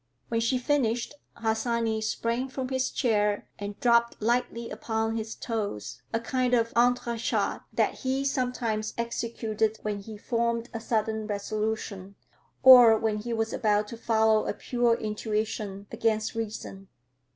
When she finished, Harsanyi sprang from his chair and dropped lightly upon his toes, a kind of entre chat that he sometimes executed when he formed a sudden resolution, or when he was about to follow a pure intuition, against reason.